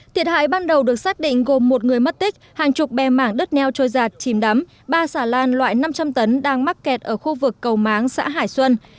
thiệt hại ban đầu được xác định gồm một người mất tích hàng chục bè mảng đất neo trôi giạt chìm đắm ba xà lan loại năm trăm linh tấn đang mắc kẹt ở khu vực cầu máng xã hải xuân